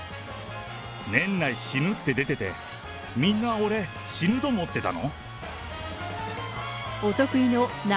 年内死ぬって出てて、みんな俺、死ぬと思ってたの？